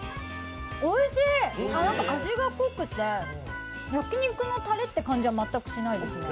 おいしい、味が濃くて焼き肉のたれという感じは全くしないですね。